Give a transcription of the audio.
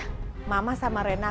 mama sama rena akan menyerahkanmu